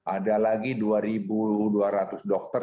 ada lagi dua dua ratus dokter